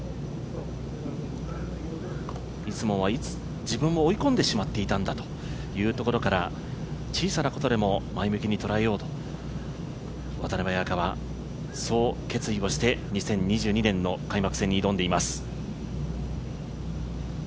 いつもは自分を追い込んでしまっていたんだというところから小さなことでも前向きにとらえようと渡邉彩香は、そう決意をして２０２２年の開幕戦に挑んでいます。